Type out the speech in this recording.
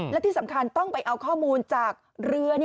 และที่สำคัญต้องไปเอาข้อมูลจากเรือ